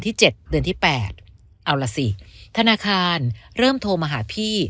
ที่เจ็ดเดือนที่แปดเอาล่ะสิธนาคารเริ่มโทรมาหาพี่